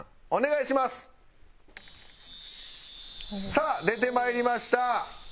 さあ出てまいりました。